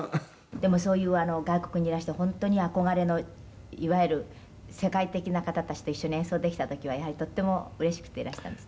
「でもそういう外国にいらして本当に憧れのいわゆる世界的な方たちと一緒に演奏できた時はやはりとってもうれしくていらしたんですって？」